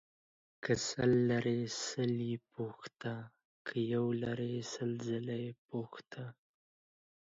که سل لرې سل پوښته ، که يو لرې سل ځله يې پوښته.